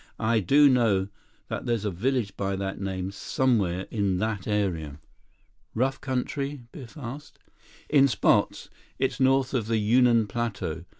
I do know that there's a village by that name somewhere in that area." "Rough country?" Biff asked. "In spots. It's north of the Yunnan plateau.